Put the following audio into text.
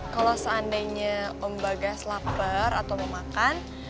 kalo seandainya om bagas lapar atau mau makan